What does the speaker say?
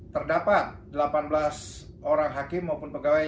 terdapat delapan belas orang hakim maupun pegawai